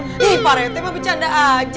ih pak rt mah bercanda aja